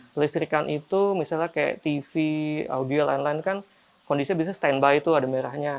kelistrikan itu misalnya kayak tv audio lain lain kan kondisinya bisa standby tuh ada merahnya